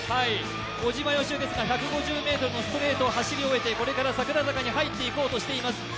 小島よしおですが１５０ｍのストレートを走り終えて、これから桜坂に入っていこうとしています。